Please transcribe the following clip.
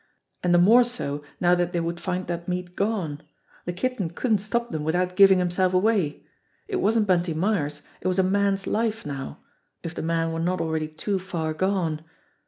And the more so now that they would find that meat gone ! The Kitten couldn't stop them without giving himself away. It wasn't Bunty Myers, it was a man's life now if the man were not already too far gone.